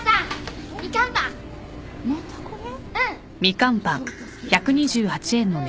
みかんパンね。